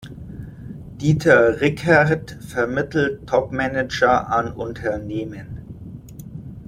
Dieter Rickert vermittelt Topmanager an Unternehmen.